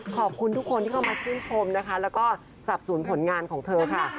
ขอบคุณทุกคนที่เข้ามาชื่นชมและก็สรรพสูจน์ผลงานของเธอค่ะ